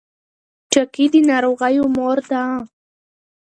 چاقي د ناروغیو مور ده.